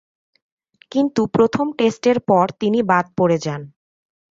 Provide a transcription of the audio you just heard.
কিন্তু প্রথম টেস্টের পর তিনি বাদ পড়ে যান।